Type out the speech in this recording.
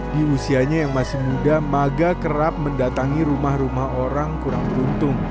di usianya yang masih muda maga kerap mendatangi rumah rumah orang kurang beruntung